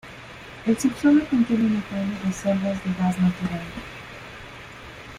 El subsuelo contiene notables reservas de gas natural.